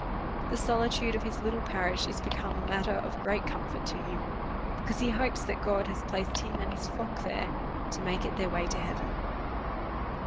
The solitude of his little parish is be come matter of great comfort to him ; because he hopes that God has placed him and his Hock there, to make it their way to heaven.